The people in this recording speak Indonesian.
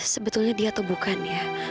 sebetulnya dia atau bukan ya